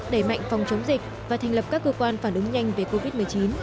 đẩy mạnh phòng chống dịch và thành lập các cơ quan phản ứng nhanh về covid một mươi chín